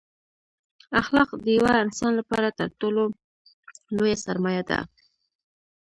اخلاق دیوه انسان لپاره تر ټولو لویه سرمایه ده